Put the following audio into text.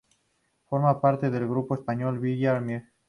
Forma parte del grupo español, Villar Mir.